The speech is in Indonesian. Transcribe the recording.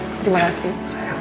oke terima kasih